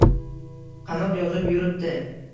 Qanot yozib yuribdi.